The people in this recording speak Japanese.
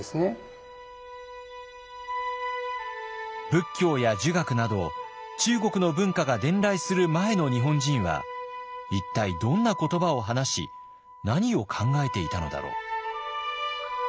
仏教や儒学など中国の文化が伝来する前の日本人は一体どんな言葉を話し何を考えていたのだろう？